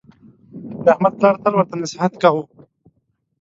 د احمد پلار تل ورته نصحت کاوه: